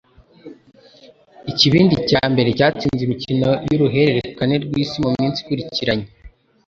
ikibindi cya mbere cyatsinze imikino yuruhererekane rwisi muminsi ikurikiranye